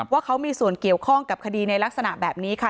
ว่าเขามีส่วนเกี่ยวข้องกับคดีในลักษณะแบบนี้ค่ะ